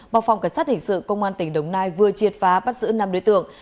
bộ phòng cảnh sát hình sự công an tỉnh đồng nai vừa triệt phá bắt giữ năm đối tượng